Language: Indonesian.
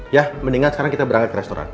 ya mendingan sekarang kita berangkat ke restoran